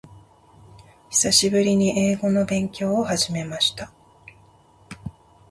久しぶりに英語の勉強を始めました。